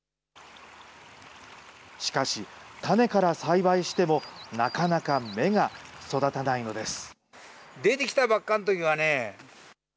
しかし、種から栽培しても、なかなか芽が育たないのです。